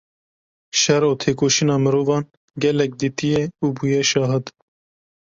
şer û tekoşîna mirovan gelek dîtiye û bûye şahid.